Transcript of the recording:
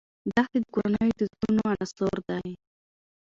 دښتې د کورنیو د دودونو عنصر دی.